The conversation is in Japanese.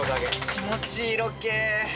気持ちいいロケ。